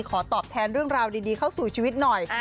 ขอตอบแทนเรื่องราวดีเข้าสู่ชีวิตหน่อย